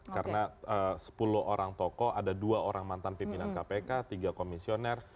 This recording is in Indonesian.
karena sepuluh orang tokoh ada dua orang mantan pimpinan kpk tiga komisioner